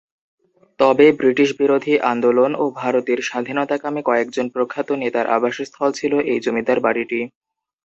তবে ব্রিটিশ বিরোধী আন্দোলন ও ভারতের স্বাধীনতাকামী কয়েকজন প্রখ্যাত নেতার আবাসস্থল ছিল এই জমিদার বাড়িটি।